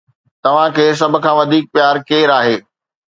توهان کي سڀ کان وڌيڪ پيار ڪير آهي؟